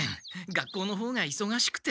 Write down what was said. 学校の方がいそがしくて。